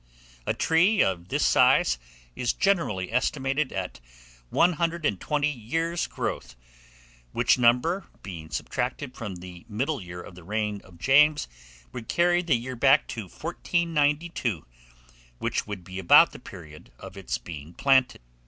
A tree of this size is generally estimated at 120 years' growth; which number being subtracted from the middle year of the reign of James, would carry the year back to 1492, which would be about the period of its being planted.